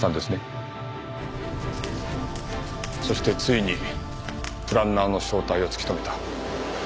そしてついにプランナーの正体を突き止めた。